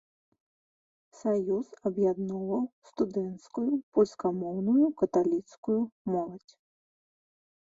Саюз аб'ядноўваў студэнцкую польскамоўную каталіцкую моладзь.